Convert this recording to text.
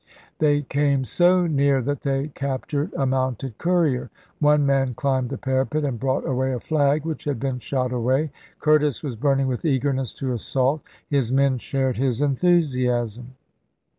They came so near that they captured a mounted courier; one man climbed the parapet and brought away a flag which had been shot away. Curtis was burning with eagerness to assault; his men shared his enthusiasm.